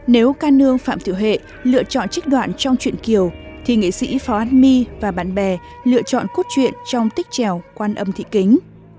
nếu ca nương phạm thiệu hệ lựa chọn trích đoạn trong truyện kiều thì nghị sĩ phào an my và bạn bè lựa chọn cốt truyện trong tích trèo quan âm thị kính